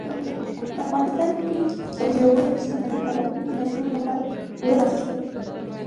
افغانستان کې ژورې سرچینې د نن او راتلونکي نسلونو لپاره پوره ارزښت لري.